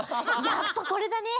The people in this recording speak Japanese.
やっぱこれだね！